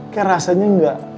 kayak rasanya gak